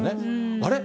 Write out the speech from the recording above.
あれ？